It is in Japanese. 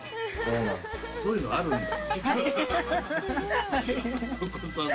そういうのあるんだ。